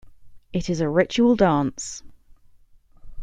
It is a ritual dance.